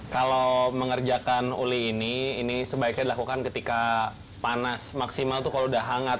kalau mengerjakan uli ini ini sebaiknya dilakukan ketika panas maksimal itu kalau udah hangat